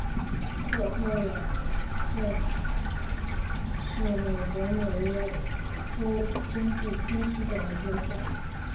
科特兰县是美国纽约州中部偏西的一个县。